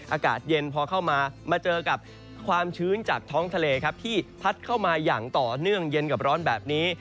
อากาศเย็นพอเข้ามามาเจอกับความชื้นจากท้องทะเลครับที่พัดเข้ามาอย่างต่อเนื่องเย็นกับร้อนแบบนี้